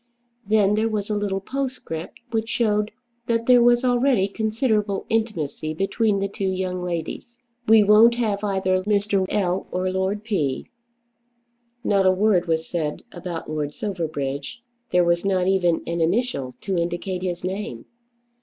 Then there was a little postscript which showed that there was already considerable intimacy between the two young ladies. "We won't have either Mr. L. or Lord P." Not a word was said about Lord Silverbridge. There was not even an initial to indicate his name.